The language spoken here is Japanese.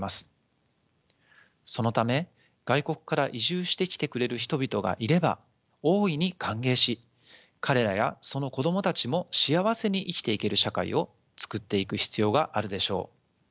そのため外国から移住してきてくれる人々がいれば大いに歓迎し彼らやその子どもたちも幸せに生きていける社会を作っていく必要があるでしょう。